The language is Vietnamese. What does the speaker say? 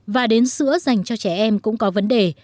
và đến sữa dành cho trẻ em cũng có vấn đề